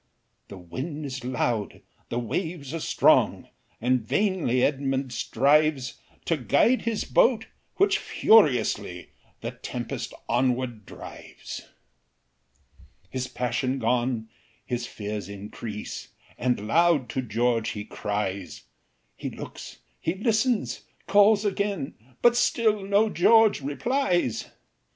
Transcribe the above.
The wind is loud, the waves are strong, And vainly Edmund strives To guide his boat, which furiously The tempest onward drives. His passion gone, his fears increase, And loud to George he cries; He looks he listens calls again, But still no George replies.